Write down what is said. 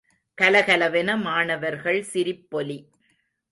கலகலவென மாணவர்கள் சிரிப்பொலி.